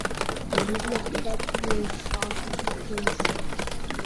جنوب افریقہ کے ژاک کیلس